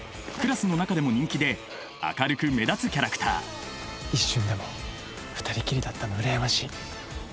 クラスの中でも人気で明るく目立つキャラクター一瞬でも２人きりだったの羨ましい。